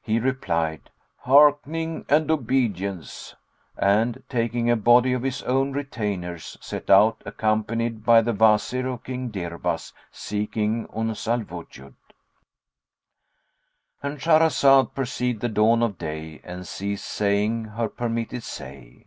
He replied, "Hearkening and obedience;" and, taking a body of his own retainers, set out accompanied by the Wazir of King Dirbas seeking Uns al Wujud.—And Shahrazad perceived the dawn of day and ceased saying her permitted say.